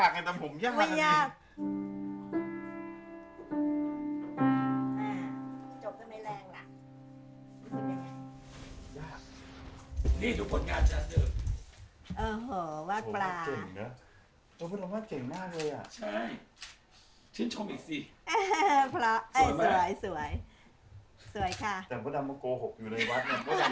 แต่พ่อดำก็โกหกอยู่เลยวัดนั้น